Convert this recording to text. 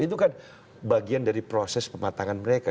itu kan bagian dari proses pematangan mereka